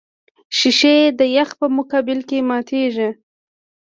شیشې د یخ په مقابل کې ماتېږي.